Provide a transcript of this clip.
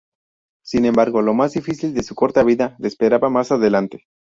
Sin embargo, lo más difícil de su corta vida le esperaba más adelante.